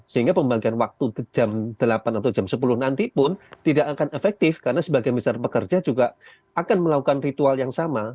sehingga pembagian waktu jam delapan atau jam sepuluh nanti pun tidak akan efektif karena sebagian besar pekerja juga akan melakukan ritual yang sama